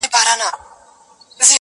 راته ژړا راسي~